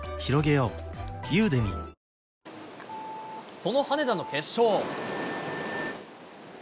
その羽根田の決勝。